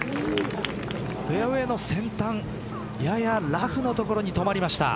フェアウエーの先端ややラフの所に止まりました。